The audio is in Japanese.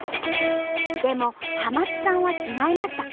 でも濱津さんは違いました。